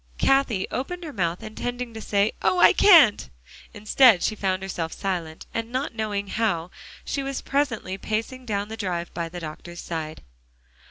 Cathie opened her mouth, intending to say, "Oh! I can't" instead, she found herself silent, and not knowing how, she was presently pacing down the drive by the doctor's side.